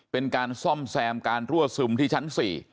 เป็นการซ่อมแซมการรั่วซึมที่ชั้น๔